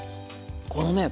このね